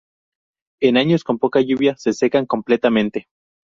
En años con poca lluvia, se secan completamente.